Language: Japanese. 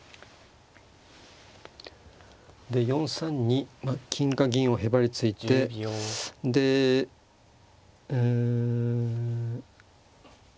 で４三に金か銀をへばりついてでうん先手玉がですよ